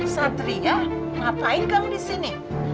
satria ngapain kamu di sini